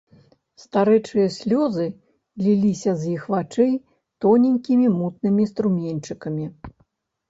Старэчыя слёзы ліліся з іх вачэй тоненькімі мутнымі струменьчыкамі.